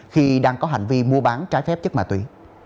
khi đang có hành vi mua bán trái phép chất ma túy